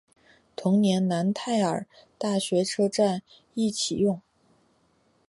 同年楠泰尔大学车站亦启用。